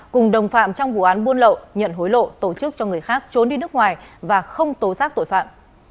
cùng đồng phạm trong vụ án buôn lậu nhận hối lộ tổ chức cho người khác trốn đi nước ngoài và không tố giác tội phạm